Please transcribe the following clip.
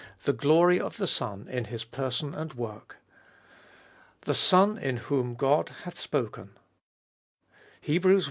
The Glory of the Son in His Person and Work. I. THE SON IN WHOM GOD HATH SPOKEN. I.— I.